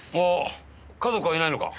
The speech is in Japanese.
家族はいないのか？